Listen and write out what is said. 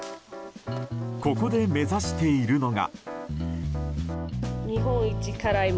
ここで目指しているのが。